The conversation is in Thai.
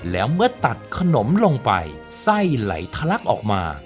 แล้วเมื่อตัดขนมลงไปไส้ไหลทะลักออกมา